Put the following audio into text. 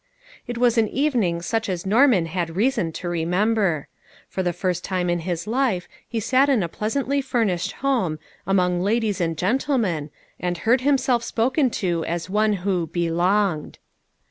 It was an evening such as Norman had reason to remember. For* the first time in his life he sat in a pleasantly furnished home, among ladies and gentlemen, and heard himself spoken to as one who "belonged."